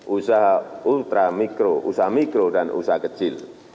usaha ultramikro usaha mikro dan usaha kecil